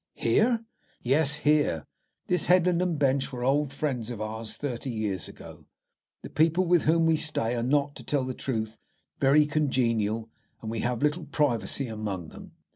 "Here!" "Yes, here. This headland and bench were old friends of ours thirty years ago. The people with whom we stay are not, to tell the truth, very congenial, and we have, little privacy among them.